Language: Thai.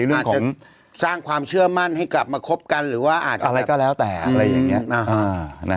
อาจจะสร้างความเชื่อมั่นให้กลับมาคบกันหรือว่าอาจจะอะไรก็แล้วแต่อะไรอย่างนี้